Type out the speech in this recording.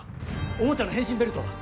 おもちゃの変身ベルトだ。